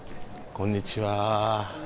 こんにちは。